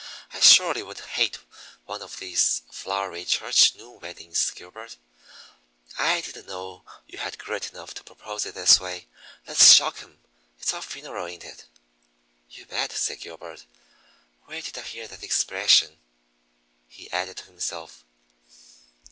I surely would hate one of these flowery church noon weddings. Gilbert, I didn't know you had grit enough to propose it this way. Let's shock 'em it's our funeral, ain't it?" "You bet!" said Gilbert. "Where did I hear that expression?" he added to himself.